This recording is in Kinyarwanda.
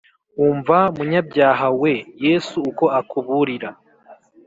Umva munyabyaha we yesu uko akuburira